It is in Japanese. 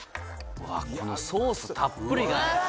うわこのソースたっぷり。